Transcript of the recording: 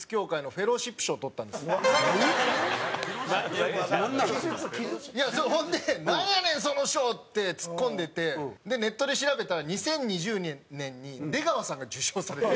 山内：ほんで、「なんやねんその賞」ってツッコんでてネットで調べたら、２０２０年に出川さんが受賞されてる。